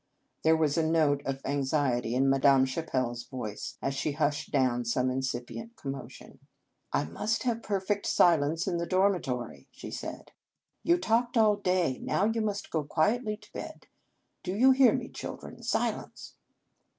There was a note of anxiety in Ma dame Chapelle s voice, as she hushed down some incipient commotion. " I must have perfect silence in the dormitory," she said. "You have H3 In Our Convent Days talked all day; now you must go quietly to bed. Do you hear me, children? Silence!"